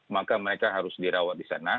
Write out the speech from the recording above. maka mereka harus dirawat di sana